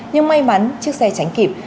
nhưng may mắn chiếc xe tránh kịp